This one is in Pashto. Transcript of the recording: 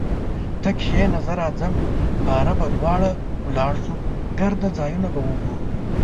ته کښینه زه راځم باره به دواړه ولاړسو ګرده ځایونه به وګورو